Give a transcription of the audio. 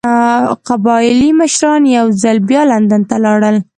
قبایلي مشران یو ځل بیا لندن ته لاړل.